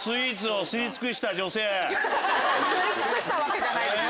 吸い尽くしたわけじゃないです！